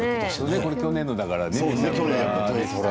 これは去年のだからね。